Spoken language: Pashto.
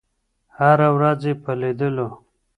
هره ورځ یې په لېدلو